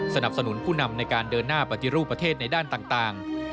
สนับสนุนผู้นำในการเดินหน้าปฏิรูปประเทศในด้านต่าง